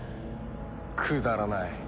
くだらない。